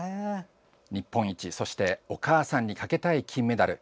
日本一、そしてお母さんにかけたい金メダル。